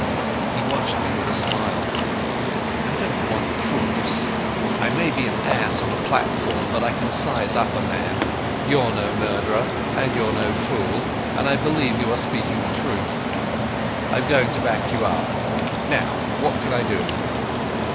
He watched me with a smile. "I don't want proofs. I may be an ass on the platform, but I can size up a man. You're no murderer and you're no fool, and I believe you are speaking the truth. I'm going to back you up. Now, what can I do?"